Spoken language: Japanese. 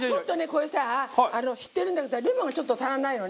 これさ知ってるんだけどさレモンがちょっと足らないのね。